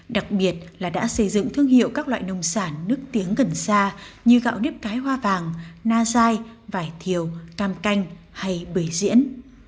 đặc biệt là đã xây dựng thương hiệu các loại nông sản nức tiếng gần xa như gạo nếp cái hoa vàng na dai vải thiều cam canh hay bưởi diễn